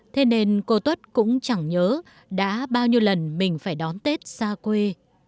thế nên cô tuất cũng chẳng nhớ đã bao nhiêu lần mình phải đón tết xa quê